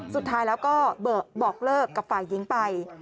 สุดท้ายแล้วก็บอกเลิกกับฝ่ายหญิงไป